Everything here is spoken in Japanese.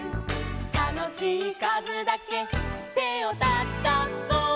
「たのしいかずだけてをたたこ」